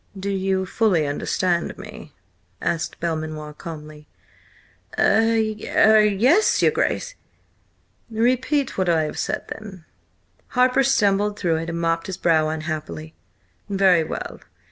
"Do you fully understand me?" asked Belmanoir calmly. "Er–er–yes, your Grace!" "Repeat what I have said, then." Harper stumbled through it and mopped his brow unhappily. "Very well.